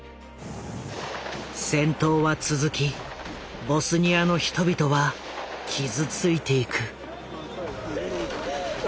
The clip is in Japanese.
戦闘は続きボスニアの人々は傷ついていく。